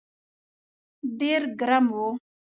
ډېر ګرم و.